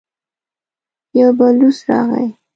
يو بلوڅ راغی.